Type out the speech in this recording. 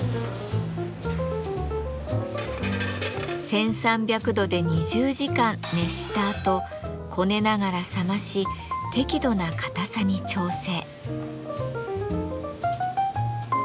１，３００度で２０時間熱したあとこねながら冷まし適度な硬さに調整。